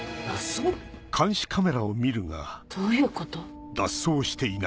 どういうこと？